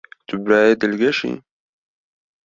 Tu birayê dilgeş î.